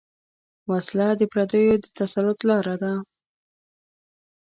وسله د پردیو د تسلط لاره ده